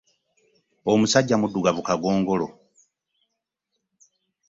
Omusajja mudugavu kagongolo.